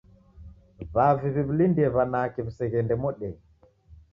W'avi w'iw'ilindie w'anake w'iseghende modenyi